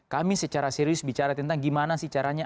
kami secara serius bicara tentang gimana sih caranya